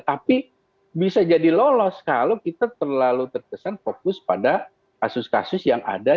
tapi bisa jadi lolos kalau kita terlalu terkesan fokus pada kasus kasus yang ada